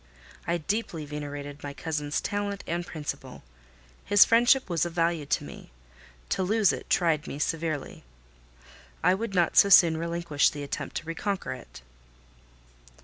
I deeply venerated my cousin's talent and principle. His friendship was of value to me: to lose it tried me severely. I would not so soon relinquish the attempt to reconquer it.